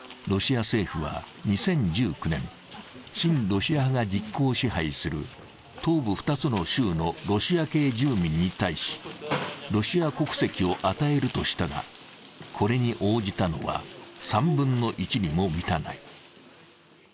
ロシア政府は２０１９年親ロシア派が実効支配する東部２つの州のロシア系住民に対しロシア国籍を与えるとしたが、これに応じたのは３分の１にも満たない。